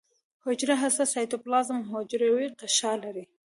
حجره هسته سایتوپلازم او حجروي غشا لري